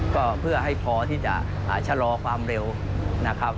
ก็เพื่อให้พอที่จะชะลอความเร็วนะครับ